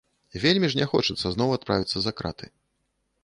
Вельмі ж не хочацца зноў адправіцца за краты.